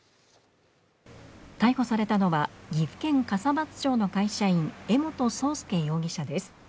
逮捕されたのは岐阜県笠松町の会社員、江本颯介容疑者です。